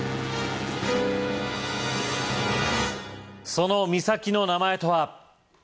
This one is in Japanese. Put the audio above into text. その岬の名前とは？